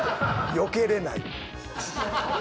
よけれない。